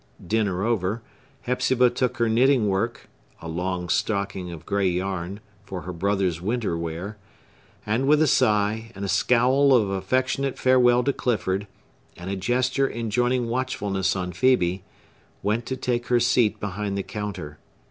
Dinner over, Hepzibah took her knitting work,—a long stocking of gray yarn, for her brother's winter wear,—and with a sigh, and a scowl of affectionate farewell to Clifford, and a gesture enjoining watchfulness on Phœbe, went to take her seat behind the counter.